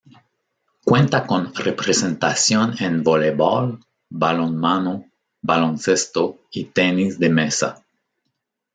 Cuenta con representación en voleibol, balonmano, baloncesto y tenis de mesa.